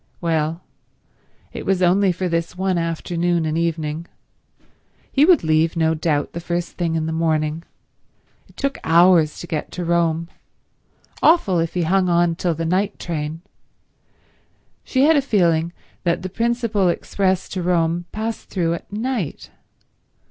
Well, it was only for this one afternoon and evening. He would leave, no doubt, the first thing in the morning. It took hours to get to Rome. Awful if he hung on till the night train. She had a feeling that the principal express to Rome passed through at night.